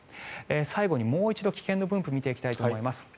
最後にもう一度、危険度分布を見ていきたいと思います。